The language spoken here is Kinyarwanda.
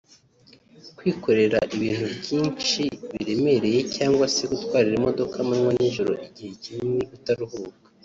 kwikorera ibintu byinshi biremereye cyangwa se gutwara imodoka amanywa n’ijoro igihe kinini utaruhuka